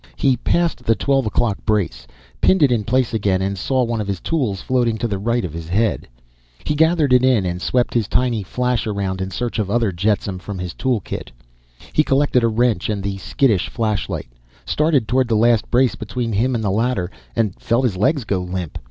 He passed the twelve o'clock brace, pinned it in place again and saw one of his tools floating to the right of his head. He gathered it in and swept his tiny flash around in search of other jetsam from his tool kit. He collected a wrench and the skittish flashlight, started toward the last brace between him and the ladder, and felt his legs go limp.